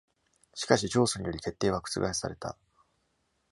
しかし、上訴により決定は覆された。